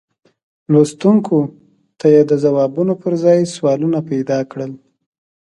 لوستونکو ته یې د ځوابونو پر ځای سوالونه پیدا کړل.